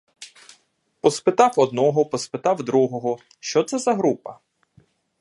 Поспитав одного, поспитав другого: що це за група?